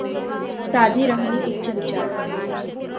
साधी राहणी उच्च विचार!